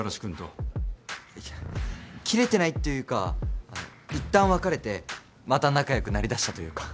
あっいや切れてないっていうかあの一旦別れてまた仲良くなりだしたというか。